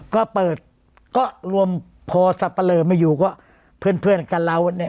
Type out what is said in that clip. ก็เปิดก็รวมพอสับปะเลอไม่อยู่ก็เพื่อนเพื่อนกันเราเนี่ย